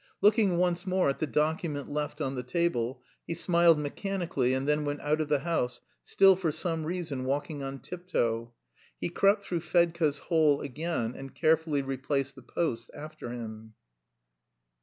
Looking once more at the document left on the table, he smiled mechanically and then went out of the house, still for some reason walking on tiptoe. He crept through Fedka's hole again and carefully replaced the posts after him.